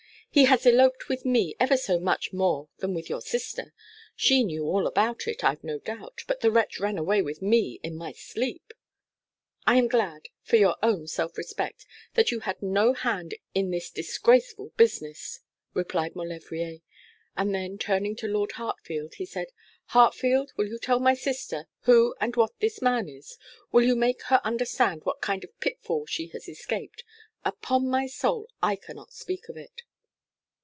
He has eloped with me ever so much more than with your sister. She knew all about it, I've no doubt: but the wretch ran away with me in my sleep.' 'I am glad, for your own self respect, that you had no hand in this disgraceful business,' replied Maulevrier; and then turning to Lord Hartfield, he said, 'Hartfield, will you tell my sister who and what this man is? Will you make her understand what kind of pitfall she has escaped? Upon my soul, I cannot speak of it.'